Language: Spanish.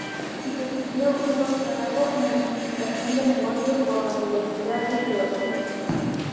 Recibió un doctorado en administración de negocios por la Universidad de Georgia.